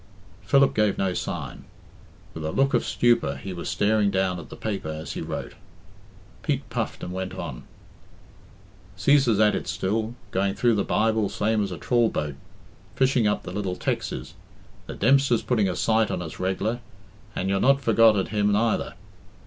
Philip gave no sign. With a look of stupor he was staring down at the paper as he wrote. Pete puffed and went on "'Cæsar's at it still, going through the Bible same as a trawl boat, fishing up the little texes. The Dempster's putting a sight on us reg'lar, and you're not forgot at him neither.